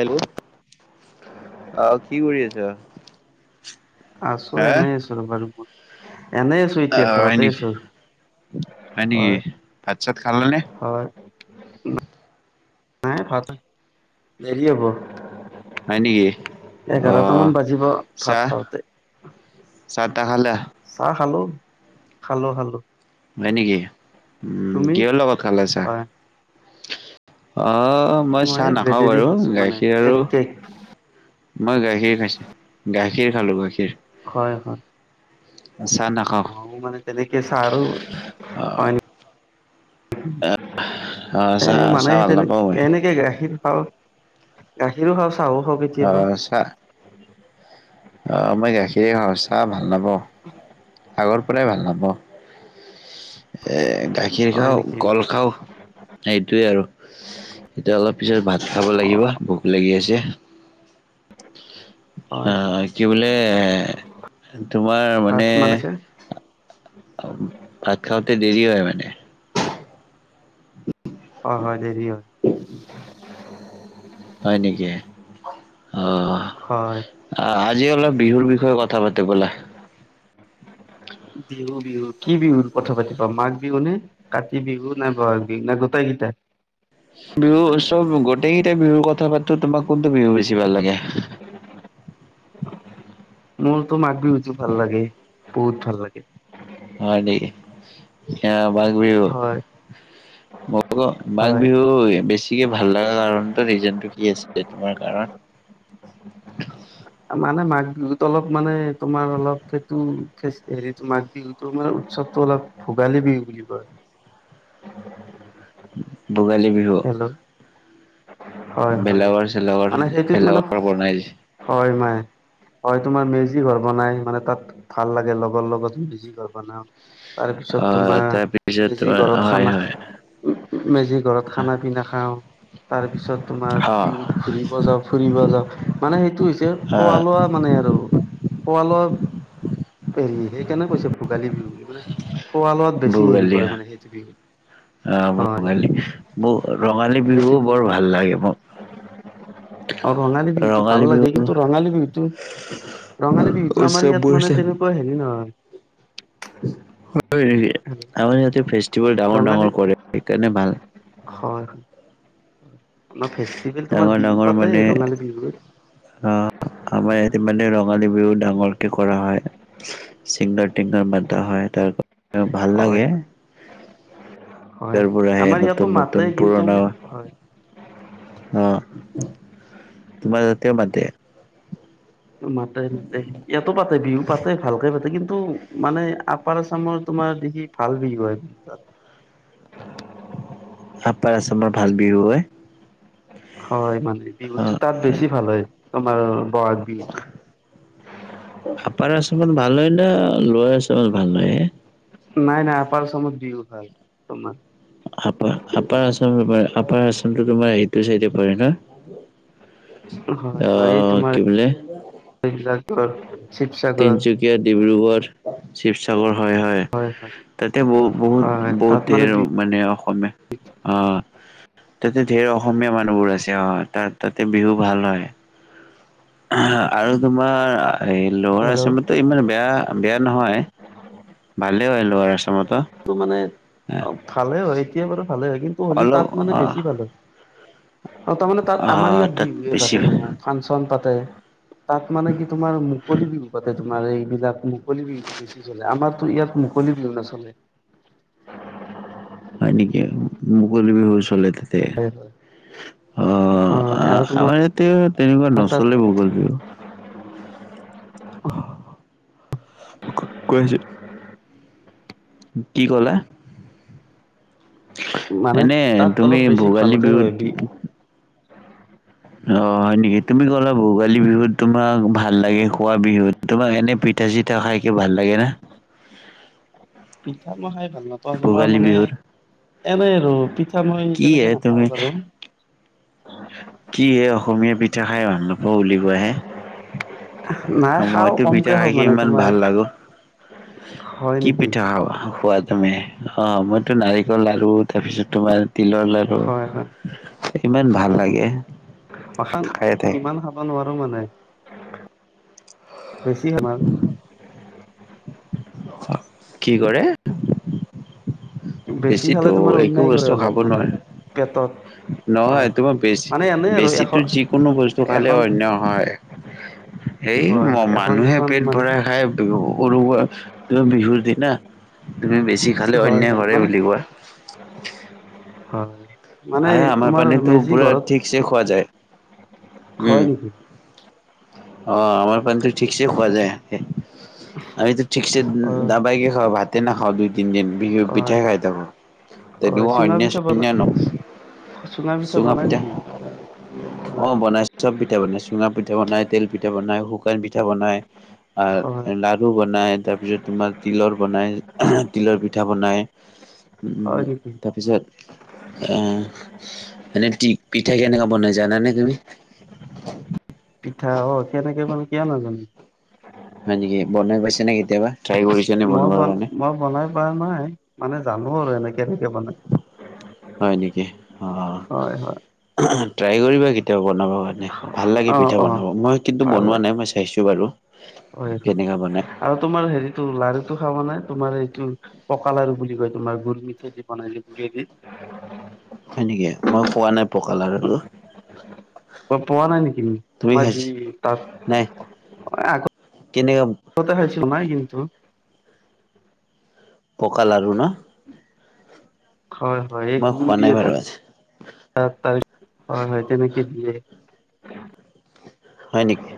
Hello অহ কি কৰি আছ? আছো এনেই আছো ৰ'বা ৰুমত, এনে আছ ছো অ এতিয়া হয় ঘৰতে নেকি আছো নেকি হয় ভাত চাত খালানে হয়। নাই ভাত দেৰি হ'ব। হয় নেকি? অ এঘাৰটা মান বাজিব ভাত চাহ খাওঁতে। চাহ তাহ খালা? চাহ খালোঁ খালোঁ খালোঁ। হয় নেকি, উম কিহৰ লগত খালে চাহ? হয় অহ মই এই চাহ নাখাওঁ ব্ৰেডেদি বাৰু খাইছো মানে গাখীৰ কেক আৰু কেক মই গাখীৰ খাইছে, গাখীৰ খালোঁ গাখীৰ। হয় হয়। চাহ নাখাওঁ। মৌ মানে তেনেকে চা আৰু হয় অ [inaudible] এ চাহ মানে চাহ ভাল তেনে নাপাওঁ মই এনেকে গাখীৰ খাওঁ, গাখীৰো খাওঁ চাহো খাওঁ কে অ চাহ অ মই গাখীৰ এ খাঁও চাহ ভাল নাপাওঁ। [unintelligible] আগৰ পৰাই ভাল নাপাওঁ, এ গাখীৰ হয় খাওঁ নেকি কল খাওঁ। সেইটোয়ে আৰু। এতিয়া অলপ পিছত ভাত খাব অ লাগিব, ভোক লাগি আছে। [unintelligible] চাহ হয় কি বোলে তোমাৰ ভাত মানে যে ভাত খাওঁতে দেৰি হয় মানে? অ হয় দেৰি হয়। হয় নেকি অহ। হয় আ আজি অলপ বিহুৰ বিষয়ে কথা পাতো ব'লা। বিহু বিহু কি বিহুৰ কথা পাতিবা মাঘ বিহুনে কাতি বিহু নাই ব'হাগ বিহু নে গোটেই কেইটা? বিহু চব গোটেইকেইটাই বিহুৰ কথা পাতো, তোমাক কোনটো বিহু বেছি ভাল লাগে? মোৰতো মাঘ বিহুতো ভাল লাগে, বহুত ভাল লাগে। হয় নেকি? সেয়া মাঘ বিহু, হয় মোকো মাঘ হয় বিহুই বেছি গতিকে ভাল লগা কাৰণ ৰিজনটো কি আছিলে তোমাৰ কাৰণ? মানে মাঘ বিহুত অলপ মানে তোমাৰ অলপ সেইটো হেৰিটো মাঘ বিহুত তোৰ মানে উৎসৱতটো অলপ ভোগালী বিহু বুলি কয়। ভোগালী বিহু। ল, হয় হয় ভেলাঘৰ চেলাঘৰ মানে সেইটোত মানে ভেলাঘৰ বনাই হয় মাই হয় তোমাৰ মেজি ঘৰ বনাই মানে তাত ভাল লাগে লগৰ লগত মেজি ঘৰ বনাও। অ তাৰপিছত তোমাৰ তাৰপিছত মেজি তোমাৰ ঘৰত হয় খানা হয় উম মেজি ঘৰত খানা পিনা খাওঁ। তাৰ পিছত তোমাৰ হা বিহুত ঘুৰিব যাওঁ ফুৰিব যাওঁ, মানে সেইটো হৈছে হা খোৱা লোৱা মানে আৰু খোৱা লোৱা হেৰি সেইকাৰণে কৈছে ভোগালী বিহু বুলি। একোনাই, খোৱা লোৱাত বেছি হেৰি ভোগালী কৰে মানে সেইটো বিহু। হা হয়। ভোগালী মোৰ ৰঙালী সেইটো বিহুও বৰ বিহুত লাগে মোৰ। ৰঙালী বিহুটো ভাল ৰঙালী বিহু লাগে, কিন্তু বিহুটো ৰঙালী বিহুতটো আমাৰ উৎসৱবোৰ ইয়াত মানে তেনেকুৱা হেৰি নহয়। হয় নিকি, আমাৰ ইয়াতে ফেষ্টিভেল ডাঙৰ ৰঙালী ডাঙৰ কৰে সেইকাৰণে ভাল। হয়, মা ফেষ্টিভেল তোমাৰ ডাঙৰ বিহু ডাঙৰ পাতে, মানে ৰঙালী বিহু। অ', আমাৰ ইয়াতে মানে ৰঙালী বিহু ডাঙৰকে কৰা হয়, চিংগাৰ তিংগাঁৰ মাতা হয় তাৰ ভাল হয় লাগে। হয় হয় তাৰ পৰা আহে আমাৰ ইয়াতো নতুন মাতে নতুন কিন্তু পুৰণা হয় অঁ, তোমাৰ তাতেও মাতে। মাতে মাতে, ইয়াতো পাতে বিহু পাতে ভালকে পাতে কিন্তু মানে আপাৰ আচামৰ তোমাৰ বিহি ভাল বুলি কয় তাত আপাৰ আচামৰ ভাল বিহু হয়। হয় মানে অ বিহুটো তাত বেছি ভাল হয় তোমাৰ বহাগ বিহুটো। আপাৰ আছামত ভাল হয় নে লৱাৰ আছামত ভাল হয়? নাই নাই আপাৰ আচামত বিহু ভাল তোমাৰ আপা আপাৰ আসামটো তোমাৰ আটো তোমাৰ এইটো চাইডে পৰে ন? হয় হয় এই আহ তোমাৰ কি বুলে? [unintelligible] তিনিচুকীয়া, ডিব্ৰুগড়, শিৱসাগৰ হয় হয়। তাতে বহ বহুত হয় তাত বহুত মানে ধেৰ বি মানে অসমে অ, তাতে ঢেৰ অসমীয়া মানুহবোৰ আছে, অ তাত তাতে বিহু ভাল হয়। আহ আৰু তোমাৰ এই লৱাৰ হেল্ল' আসামতো ইমান বেয়া আ বেয়া নহয় ভালেই হয় লৱাৰচ টো মানে অ ভালে হয় এতিয়া বাৰু ভালে হয় কিন্তু হ'লেও অলপ তাত মানে অ বেছি ভাল হয়। আৰু তাৰমানে তাত অ আমাৰ ইয়াত তাত বিহুৱে বেছি পাতে, তোমাৰ হয় ফাংচন পাতে। তাত মানে কি তোমাৰ মুকলি বিহু পাতে তোমাৰ এইবিলাক মুকলি বিহুটো বেছি চলে আমাৰ ত ইয়াত মুকলি নচলে। হয় নেকি মুকলি বিহুৰ চলেতে। তে, হয় হয় অ হয়, আ আৰু তোমাৰ আমাৰ ইয়াতে তেনেকুৱা তাত নচলে মুকলি বিহু। ক কৈ আহিছ কি কলা? মানে এনে তাত তুমি অলপ বেছি ভোগালী ভালকে বিহুত হয় বি অ হয় নেকি? তুমি ক'লা ভোগালী বিহুত তোমাক ভাল লাগে খোৱা বিহুত তোমাক এনে পিঠা- চিঠা খাইকে ভাল লাগে না? পিঠা মই খাই ভাল নাপাওঁ তোমাৰ ভোগালী মানে বিহুত? এনেই আৰু ঠা মই কি হে তেনেকে তুমি নাখাওঁ বাৰু। কি এ অসমীয়া পিঠা খাই ভাল নাপোৱা বুলি কোৱা হে? নাই আ খাওঁ মইতো পিঠা কমকে খাই খাওঁ কি মানে ইমান তোমাৰ ভাল লাগো। হয় কি নেকি পিঠা খ খোৱা তুমি? অ মইতো নাৰিকলৰ লাৰু তাৰপিছত তোমাৰ তিলৰ লাৰু হয় হয় ইমান ভাল লাগে। মখান খাই থাকে। ইমান খাব নোৱাৰো মানে বেছি ভাল আচ্ছা, কি কৰে? বেছি খালে বেছিতো তোমাৰ একো অন্যায় বস্তু কৰে খাব অলপ মানে নোৱাৰে পেটত। হয় নহয় হয় তোমাৰ বেছি মানে এনেই আৰু বেছিতো এখন যিকোনো বস্তু খালে এখন অন্যায় হয়। এই হয় ম হয় এখন মানুহে দুখন পেট মানে ভৰাই খাই। উ উৰুকা তুমি বিহুৰ দিনা তুমি বেছি খালে হয় অন্যায় হয় কৰে মানে, বুলি কোৱা। হয়। মানে আ আমাৰ তোমাৰ পানেটো মেজি পুৰা ঘৰত ঠিকচে খোৱা যায়। উম। হয় নেকি? অ' আমাৰ পানীটো তাকেইতো ঠিকছে খোৱা যায় সেনকে। আমিতো ঠিকছে হয় দাবাইকে খাওঁ ভাতে নাখাওঁ দুই তিনিদিন বিহু হয় পিঠাই খায় থাকো। হয় চুঙা পিঠা বনা [unintelligible] চুঙা পিঠা অ হয় বনাই চব পিঠা বনাই, চুঙা পিঠা বনাই, তেল পিঠা বনাই, শুকান পিঠা বনায় হয় আৰু লাড লু বনাই, তাৰ পিছত তোমাৰ তিলৰ বনাই তিলৰ পিঠা বনাই। উম হয় নেকি তাৰপিছত এ' মানে টি পিঠা কেনেকে বনাই জানানে তুমি? পিঠা অ', কেনেকে মানকে নাজানো। হয় নেকি? বনাই পাইছা নে কেতিয়াবা? ট্ৰাই কৰিছা নে মই বনোৱাৰ বন কাৰণে? মই বনাই পোৱা নাই, মানে জানো আৰু এনেকে এনেকে বনাই। হয় নেকি অ? হয় হয় ট্ৰাই কৰিবা কেতিয়াবা বনাব নাই, ভাল লাগে অ পিঠা অ বনাব। মই কিন্তু ভাল বনোৱা লাগে নাই, মই চাইছোঁ বাৰু। হয় হয়। কেনেকা বনাই আৰু তোমাৰ হেৰিটো লাৰুটো খাব নাই তোমাৰ এইটো পকালাৰু বুলি কয় তোমাৰ গুৰ মিঠাই দি বনাই গুড়ি দি। হয় নেকি? মই খোৱা নাই পকালাৰুটো। অ পোৱা নাই নেকি?, তোমাৰ যি তাত নাই এ আকৌ কেনেকা [unintelligible] নাই কিন্তু। পকা লাৰু ন? হয়, হয় এই মই গুৰ খোৱা দি নাই বাৰু [unintelligible] আজি হয় হয়, তেনেকে দিয়ে। হয় নেকি?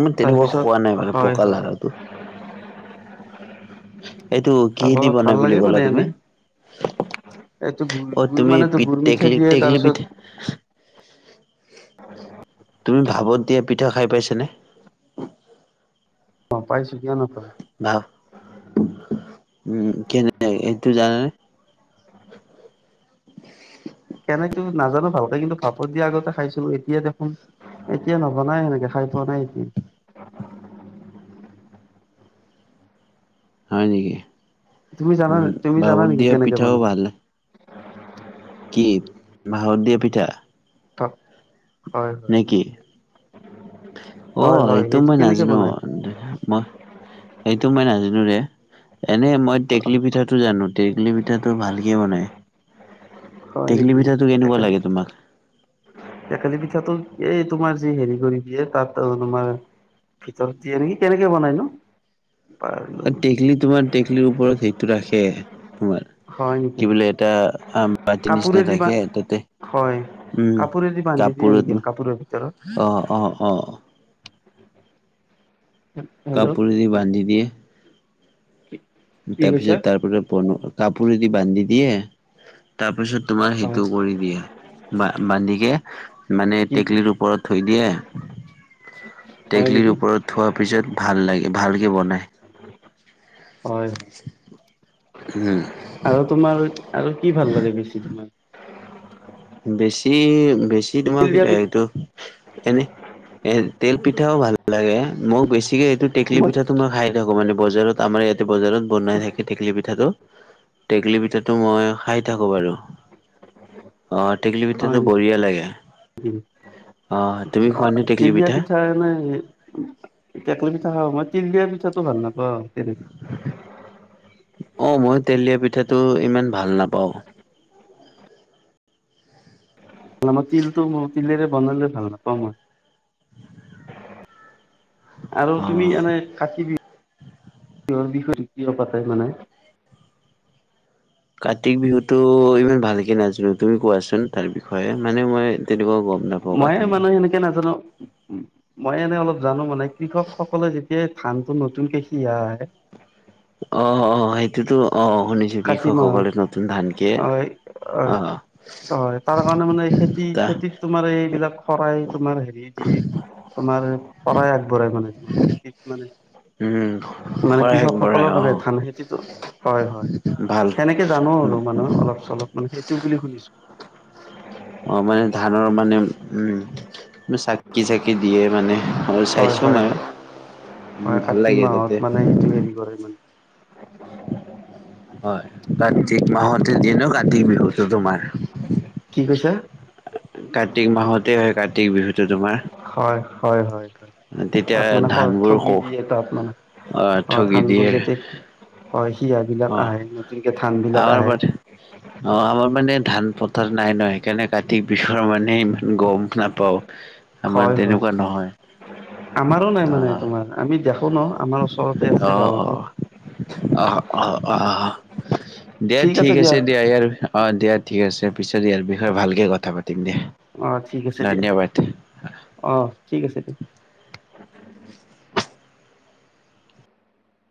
মই তেনেকুৱা তাৰপিছত খোৱা নাই বাৰু, হয় পকা হয় লাৰুটো। [unintelligible] এইটো খাব কিহে দি ভাল বনাই বুলি লাগে কলা মানে তুমি? এনে এইটো গুৰ অ গুৰ তুমি মানেতো পিত গুৰ মিঠাই টেকলি দিয়ে টেকলি পিঠ তাৰপিছত তুমি ভাৱত দিয়া পিঠা খায় পাইছানে? অ' পাইছোঁ কিয় নাপাম। ভাপ -উম' কেনে এইটো জানানে? কেনেকে নাজানোঁ ভালকে কিন্তু ভাপত দিয়া আগতে খাইছিলোঁ, এতিয়া দেখোন এতিয়া নবনাই সেনেকে খায় পোৱা নাই এতিয়া। [unintelligible] হয় নেকি? তুমি জানা উম তুমি জানা ভাপত নেকি দিয়া কেনেকে পিঠাও বনাই ভাল। কি? ভাপত দিয়া পিঠা? ত [unintelligible] নেকি? হয় অ' হয় এইটো মই কেনেকে নাজানোঁ বনাই মই সেইটো মই নাজানোঁ ৰে। এনে মই টেকলি পিঠাটো জানোঁ টেকলি পিঠাটো ভালকে বনাই। হয় টেকলি নেকি পিঠাটো কেনেকুৱা টেকেলি লাগে পিঠা তোমাক? টেকেলি পিঠাটো এই তোমাৰ যি হেৰি কৰি দিয়ে তাত অঁ তোমাৰ ভিতৰত দিয়ে নেকি, কেনেকে বনাই নো? পাৰিলো টেকলি তোমাৰ টেকলিৰ ওপৰত সেইটো ৰাখে, তোমাৰ হয় নেকি কি বোলে এটা আম বাতিৰ নিচিনা কাপোৰেদি বা থাকে তাতে হয় উম কাপোৰেদি বান্ধি দিয়ে কাপোৰত নেকি কাপোৰৰ ভিতৰত? অ', অ', অ'। হেল্ল' কাপোৰ দি বান্ধি দিয়ে। কি কৈছা তাৰপিছত তাৰপৰা কাপোৰ এদি বান্ধি দিয়ে। তাৰপিছত তোমাৰ হয় সেইটো কৰি দিয়া বা বান্ধিকে মানে কি টেকেলিৰ ওপৰত থৈ দিয়ে। হয় টেকলিৰ নেকি ওপৰত থোৱাৰ পিছত ভাল লাগে ভালকে বনায়। হয়, হয় উম আৰু তোমাৰ আৰু কি লাগে বেছি তোমাৰ? বেছি, বেছি তোমাক তিল দিয়া দে পিঠা এইটো এনে এ তেল পিঠাও ভাল লাগে, মোক বেছিকে এইটো টেকেলি পিঠা টো মই খাই থাকো মানে বজাৰত আমাৰ বজাৰত বনাই থাকে টেকলী পিঠাটো। টেকেলি পিঠাটো মই খাই থাকো বাৰু। [inaudible] অ', টেকেলী হয় পিঠাতো বঢ়িয়া লাগে। নেকি অ তুমি খোৱা অ', নে টেকেলি তিলদিয়া পিঠা এনে টেকলি পিঠা খাওঁ মই, তিল দিয়া পিঠাটো ভাল নাপাওঁ তেনে অ', মই তিল দিয়া পিঠাটো ইমান ভাল নাপাওঁ। মানে আমা তিলটো ম তিলেৰে বনালে ভাল নাপাওঁ মই। [inaudible] আৰু তুমি এনেই কাতি বিহু বিহ বিষয়টো কিয় পাতে মানে? কাতিক বিহুটো ইমান ভালকে নাজানো তুমি কোৱাচোন তাৰ বিষয়ে মানে মই তেনেকুৱাও কম। ময়ো মানে সেনেকে নাজানো। মই এনে অলপ জানো মানে কৃষকসকলে যেতিয়া ধানটো নতুনকে সিয় আহে অ', অ', অ', সেইটোতো অ', শুনিছ কাতি মাহত হয় অ', হয় তাৰ কাৰণে মানে খেতি তা খেতি তোমাৰ এইবিলাক শৰাই তোমাৰ হেৰি দিয়ে তোমাৰ শৰাই আগবঢ়াই মানে তোমাৰ খেতিত মানে উম, মানে শৰাই কৃষক আগবঢ়াই সকলৰ কাৰণে অ' ধান খেতিটো হয়, হয়। ভাল। সেনেকে জানো আৰু মানে অলপ চলপ মানে সেইটো বুলি শুনিছোঁ। অ', মানে ধানৰ মানে উম। মি চাকি চাকি দিয়ে মানে মই হয় চাইছোঁ হয় মই। হয় উম, হয় ভাল কাতি লাগে মাহত তাতে। মানে সেইটো হেৰি কৰে মানে হয়, কাতিক মাহতে দিনো কাতিক বিহুটো তোমাৰ। কি কৈছা? কাৰ্তিক মাহতে হয়, কাতিক বিহুতো তোমাৰ। হয়, হয়, হয়, হয়, তেতিয়া তাত মানে ধানবোৰ ক থগি দিয়ে তাত মানে অ', ঠগি ধানবোৰ দিয়ে যেতি হয় শিহাবিলাক অ' আহে নতুনকে ধানবিলাক আমাৰ আহে। মানে অ', আমাৰ মানে ধান পথাৰ নাই নহ সেইকাৰণে কাতিক বিহুৰ মানে গম নাপাওঁ, আমাৰ হয়, হয়। তেনেকুৱা নহয়। আমাৰো নাই মানে অ' তোমাৰ আমি দেখো ন' আমাৰ ওচৰতে আছে গাঁৱতে। অহ। অ', অ', দিয়া ঠিক আছে, দিয়া ইয়াৰ অ', দিয়া ঠিক আছে। পিছত ইয়াৰ বিষয়ে ভালকৈ কথা পাতিম দে। অ', ঠিক আছে দিয়া, অ', ঠিক আছে দিয়া।